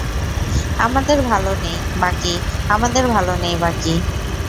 আমাদের ভালো নেই বাকি, আমাদের ভালো নেই বাকি।